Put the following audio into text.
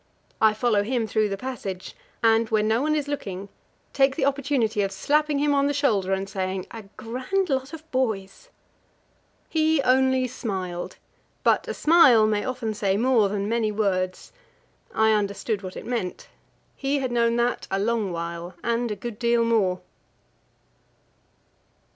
I follow him through the passage, and, when no one is looking, take the opportunity of slapping him on the shoulder and saying "A grand lot of boys." He only smiled; but a smile may often say more than many words. I understood what it meant; he had known that a long while and a good deal more.